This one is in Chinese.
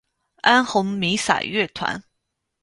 安魂弥撒乐团。